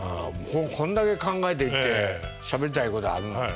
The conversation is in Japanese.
こんだけ考えてきてしゃべりたいことあるのにね。